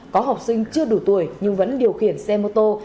có học sinh chưa đủ tuổi nhưng vẫn điều khiển xe mô tô